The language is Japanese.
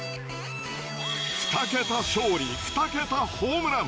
２桁勝利２桁ホームラン。